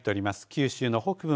九州の北部